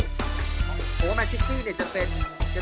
ผมว่ามาทิสซี่เนี่ยจะเป็นเต็ง๑